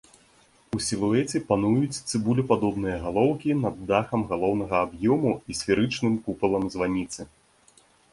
У сілуэце пануюць цыбулепадобныя галоўкі над дахам галоўнага аб'ёму і сферычным купалам званіцы.